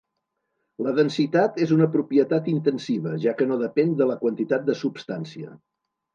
La densitat és una propietat intensiva, ja que no depèn de la quantitat de substància.